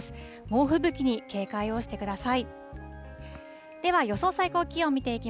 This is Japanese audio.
猛吹雪に警戒をしてください。